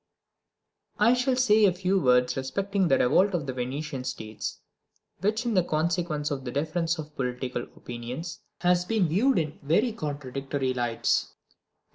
I shall say a few words respecting the revolt of the Venetian States, which, in consequence of the difference of political opinions, has been viewed in very contradictory lights.